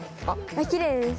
きれいです。